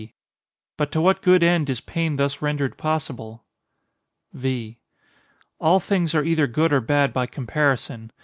_ But to what good end is pain thus rendered possible? V. All things are either good or bad by comparison.